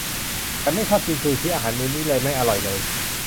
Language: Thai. ฉันไม่ชอบกินซูชิ อาหารมื้อนี้เลยไม่อร่อยเลย